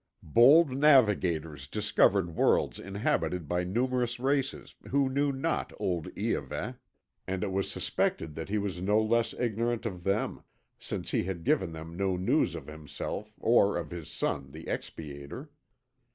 Bold navigators discovered worlds inhabited by numerous races who knew not old Iahveh, and it was suspected that he was no less ignorant of them, since he had given them no news of himself or of his son the expiator.